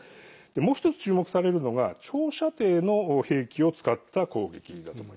もう１つ注目されるのが長射程の兵器を使った攻撃ができると。